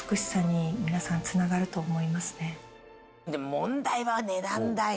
問題は値段だよ。